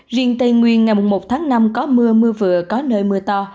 riêng tây nguyên ngày một tháng năm có mưa mưa vừa có nơi mưa to